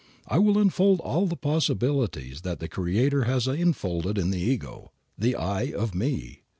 I will unfold all the possibilities that the Creator has infolded in the ego, the I of me.